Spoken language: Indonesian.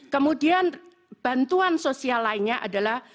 kemudian bantuan sosial lainnya adalah